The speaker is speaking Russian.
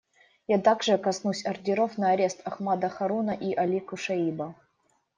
Я также коснусь ордеров на арест Ахмада Харуна и Али Кушаиба.